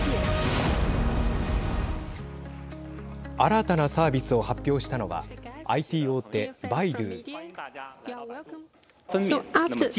新たなサービスを発表したのはＩＴ大手、百度。